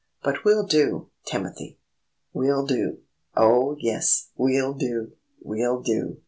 "But we'll do, Timothy! We'll do! Oh, yes, we'll do! We'll do!"